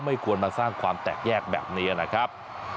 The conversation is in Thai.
ไม่ควรมาสร้างความแตกแยกแบบนี้นะครับ